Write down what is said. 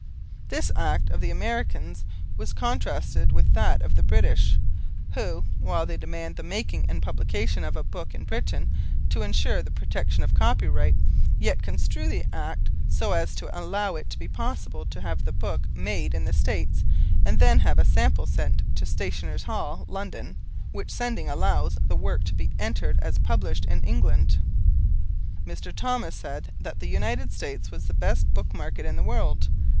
This action of the Americans was contrasted with that of the British, who, while they demand the making and publication of a book in Britain to ensure the protection of copyright, yet construe the Act so as to allow it to be possible to have the book made in the United States and then have a sample sent to Stationers' Hall, London, which sending allows the work to be entered as published in England. Mr. Thomas said that the United States was the best book market in the world.